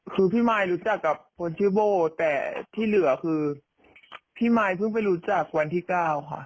คือพี่มายรู้จักกับคนชื่อโบ้แต่ที่เหลือคือพี่มายเพิ่งไปรู้จักวันที่๙ค่ะ